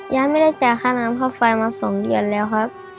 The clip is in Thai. ย้านไม่ได้จากข้าน้ำเข้าไฟมา๒เดือนแล้วครับ